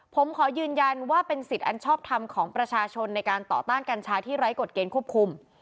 ผมขอยืนยันว่าเป็นสิทธิ์อันชอบทำของประชาชนในการต่อต้านกัญชาที่ไร้กฎเกณฑ์ควบคุม